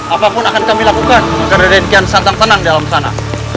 apapun yang akan kami lakukan raden kian santang tenang di dalam sana